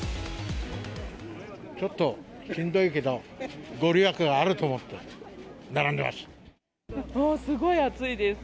ちょっとしんどいけど、御利益があると思って、並んでます。